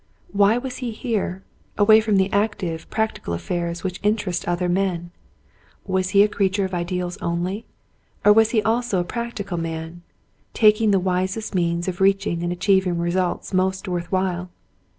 Why was he here, away from the ac tive, practical affairs which interest other men ? Was he a creature of ideals only, or was he also a practical man, taking the wisest means of reaching and achieving results most worth while